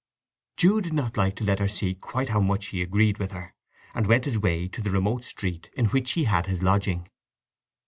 Jude did not like to let her see quite how much he agreed with her, and went his way to the remote street in which he had his lodging.